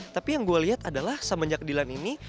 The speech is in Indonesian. tapi yang gue lihat adalah semenjak dilan ini